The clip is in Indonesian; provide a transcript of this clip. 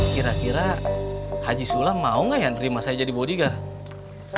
kira kira haji sulam mau gak ya nerima saya jadi bodyguard